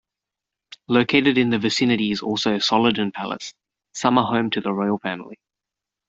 Located in the vicinity is also Solliden Palace, summer home to the royal family.